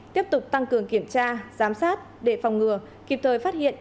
tiếp tục tăng cường kiểm tra giám sát để phòng ngừa kịp thời phát hiện